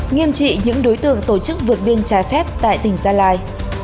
nghiêm trị những đối tượng tổ chức vượt biên trái phép tại tỉnh gia lai